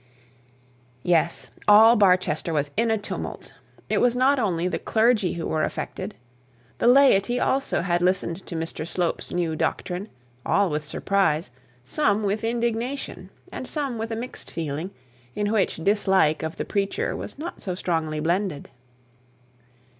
Yes! All Barchester was in a tumult. It was not only the clergy who were affected. The laity also had listened to Mr Slope's new doctrine, all with surprise, some with indignation, and some with a mixed feeling, in which dislike of the preacher was not so strongly blended.